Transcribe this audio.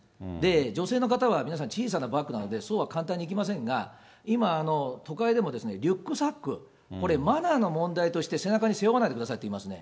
女性の方は皆さん、小さなバッグなので、そうは簡単にいきませんが、今、都会でもリュックサック、これ、マナーの問題として、これ、背中に背負わないでくださいって言いますよね。